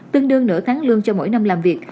tương đương nửa tháng lương cho mỗi năm làm việc